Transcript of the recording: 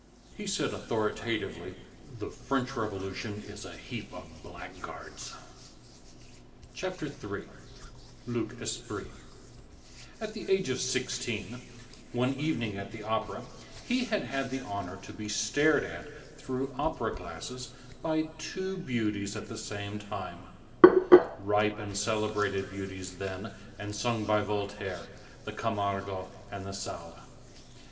He said authoritatively: "The French Revolution is a heap of blackguards." CHAPTER III—LUC ESPRIT At the age of sixteen, one evening at the opera, he had had the honor to be stared at through opera glasses by two beauties at the same time—ripe and celebrated beauties then, and sung by Voltaire, the Camargo and the Sallé.